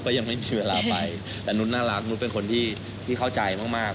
ก็ยังไม่มีเวลาไปแต่นุ๊ดน่ารักนุ๊ดเป็นคนที่เข้าใจมาก